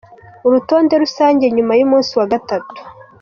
Urutonde rusange nyuma y’umunsi wa gatatu